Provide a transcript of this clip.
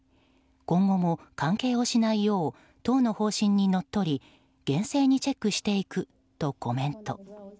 今後も関係をしないよう党の方針にのっとり厳正にチェックしていくとコメント。